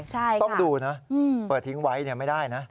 ใช่ต้องดูนะเปิดทิ้งไว้ไม่ได้นะ